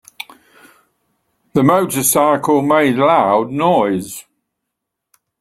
The motorcycle made loud noise.